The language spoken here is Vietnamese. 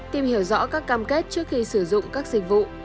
tìm hiểu rõ các cam kết trước khi sử dụng các dịch vụ